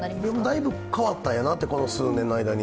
だいぶ変わったんやなと、この数年の間に。